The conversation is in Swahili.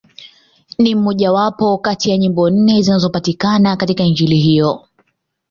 Ni mmojawapo kati ya nyimbo nne zinazopatikana katika Injili hiyo.